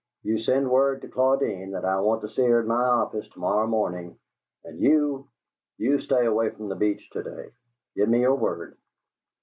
You send word to Claudine that I want to see her at my office to morrow morning, and you you stay away from the Beach to day. Give me your word."